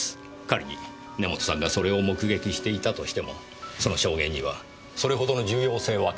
仮に根元さんがそれを目撃していたとしてもその証言にはそれほどの重要性は感じません。